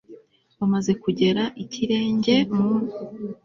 bamaze kugera ikirenge mu